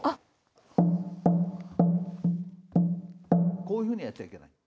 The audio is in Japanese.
こういうふうにやっちゃいけない。